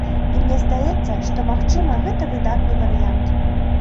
І мне здаецца, што, магчыма, гэта выдатны варыянт.